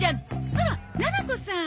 あらななこさん！